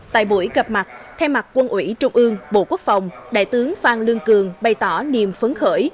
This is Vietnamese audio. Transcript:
tại buổi gặp mặt thay mặt quân ủy trung ương bộ quốc phòng đại tướng phan lương cường bày tỏ niềm phấn khởi